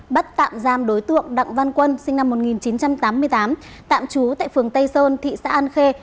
bắt tạm giam đối tượng đặng văn quân sinh năm một nghìn chín trăm tám mươi tám tạm trú tại phường tây sơn thị xã an khê